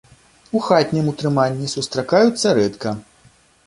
У хатнім утрыманні сустракаюцца рэдка.